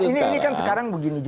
enggak ini kan sekarang begini juga